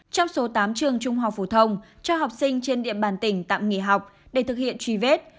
trong số tám trường trung học phổ thông cho học sinh trên địa bàn tỉnh tạm nghỉ học để thực hiện truy vết